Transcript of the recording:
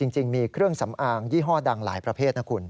จริงมีเครื่องสำอางยี่ห้อดังหลายประเภทนะคุณ